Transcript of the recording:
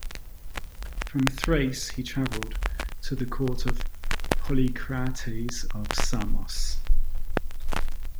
From Thrace he travelled to the court of Polycrates of Samos.